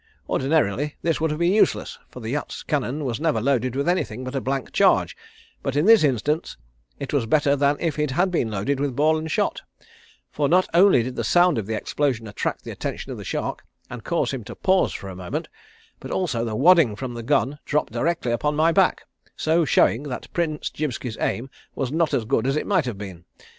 Ordinarily this would have been useless, for the yacht's cannon was never loaded with anything but a blank charge, but in this instance it was better than if it had been loaded with ball and shot, for not only did the sound of the explosion attract the attention of the shark and cause him to pause for a moment, but also the wadding from the gun dropped directly upon my back, so showing that Prince Jibski's aim was not as good as it might have been.